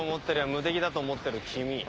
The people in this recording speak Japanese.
無敵だと思ってる君